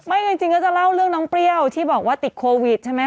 จริงก็จะเล่าเรื่องน้องเปรี้ยวที่บอกว่าติดโควิดใช่ไหม